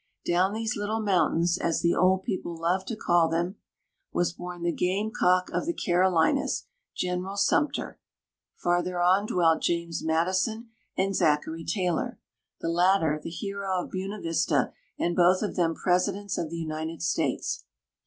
Down these " little mountains," as the old people love to call them, w'as born the game cock of the Carolinas, General Sumter; further on dwelt James Madison and Zachary Taylor, the latter the hero of Ihiena Vista, and both of them Presidents of the United States.